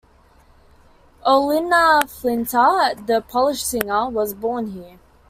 Ewelina Flinta the Polish singer was born here.